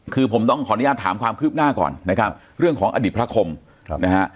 คือผมต้องขออนุญาตถามความคืบหน้าก่อนนะครับเรื่องของอดีตพระคมนะฮะ